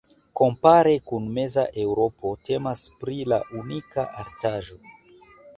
Kompare kun meza Eŭropo temas pri la unika artaĵo.